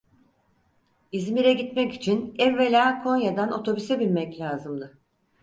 İzmir'e gitmek için evvela Konya'dan otobüse binmek lazımdı.